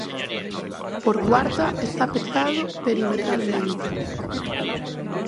Por cuarta esta pechado perimetralmente.